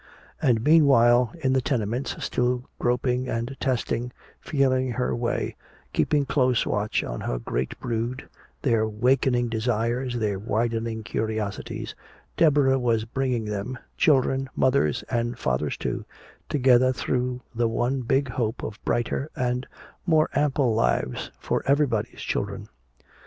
And meanwhile, in the tenements, still groping and testing, feeling her way, keeping close watch on her great brood, their wakening desires, their widening curiosities, Deborah was bringing them, children, mothers and fathers too, together through the one big hope of brighter and more ample lives for everybody's children.